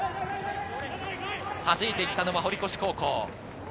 はじいていったのは堀越高校。